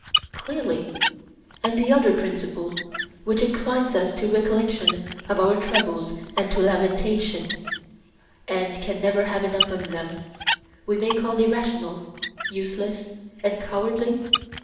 Clearly. And the other principle, which inclines us to recollection of our troubles and to lamentation, and can never have enough of them, we may call irrational, useless, and cowardly?